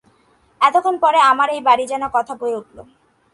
এতক্ষণ পরে আমার এই বাড়ি যেন কথা কয়ে উঠল।